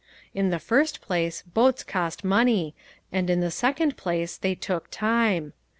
In the first place, boats cost money, and in the second place they took time.